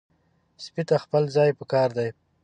سپي ته خپل ځای پکار دی.